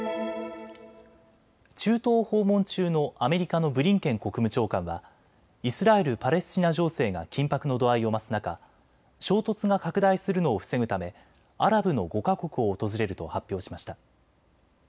中東を訪問中のアメリカのブリンケン国務長官はイスラエル・パレスチナ情勢が緊迫の度合いを増す中、衝突が拡大するのを防ぐためアラブの５か国を訪れると発表しました。